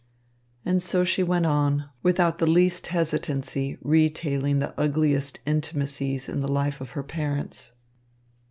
And so she went on, without the least hesitancy retailing the ugliest intimacies in the life of her parents.